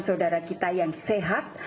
saudara kita yang sehat